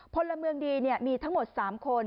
พลเมืองดีมีทั้งหมด๓คน